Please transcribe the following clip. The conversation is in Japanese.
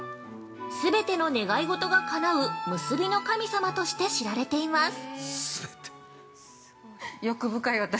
全ての願い事が叶う結の神様として知られています。